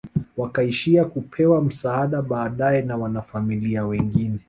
Wakaishia kupewa msaada baadae na wanafamilia wengine